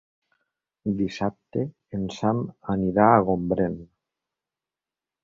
Dissabte en Sam anirà a Gombrèn.